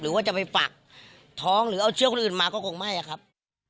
หรือว่าจะไปฝากท้องหรือเอาเชื้อคนอื่นมาก็คงไม่อะครับ